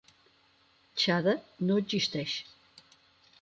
Chada no existeix.